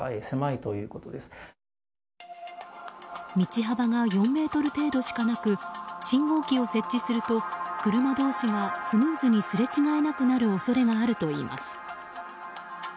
道幅が４ｍ程度しかなく信号機を設置すると車同士がスムーズにすれ違えなくなる恐れがあるといいます。